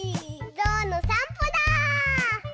ぞうのさんぽだ！